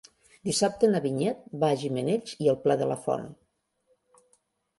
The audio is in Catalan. Dissabte na Vinyet va a Gimenells i el Pla de la Font.